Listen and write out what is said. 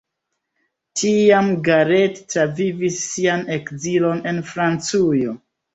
Tiam Garrett travivis sian ekzilon en Francujo.